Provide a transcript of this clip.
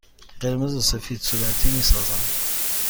قرمز و سفید صورتی می سازند.